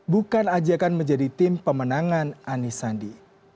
bukan ajakan menjadi tim pemenangan anies sandi